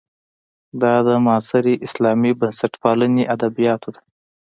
دا د معاصرې اسلامي بنسټپالنې ادبیاتو ده.